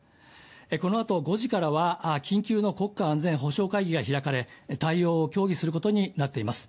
このあと５時からは緊急の国家安全保障会議が行われ対応を協議することになっています。